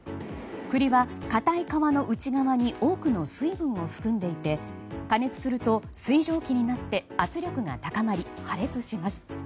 栗は硬い皮の内側に多くの水分を含んでいて加熱すると水蒸気になって圧力が高まり破裂します。